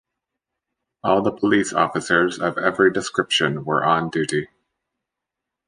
All the police officers of every description were on duty.